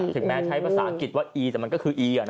แม้ใช้ภาษาอังกฤษว่าอีแต่มันก็คืออี